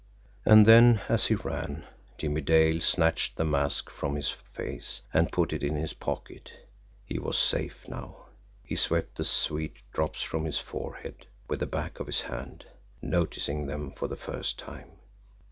And then, as he ran, Jimmie Dale snatched the mask from his face and put it in his pocket. He was safe now. He swept the sweat drops from his forehead with the back of his hand noticing them for the first time.